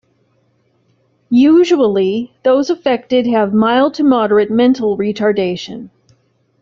Usually those affected have mild to moderate mental retardation.